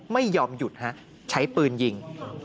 ไม่ยอมหยุดฮะใช้ปืนยิง